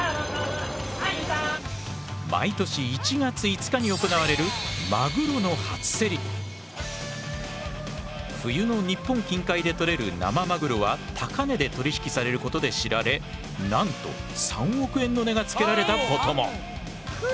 毎年１月５日に行われる冬の日本近海で取れる生マグロは高値で取り引きされることで知られなんと３億円の値が付けられたことも！